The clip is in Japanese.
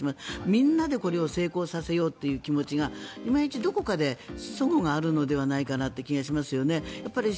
みんなでこれを成功させようという気持ちがどこかで齟齬があるのではないかという気がしますよね。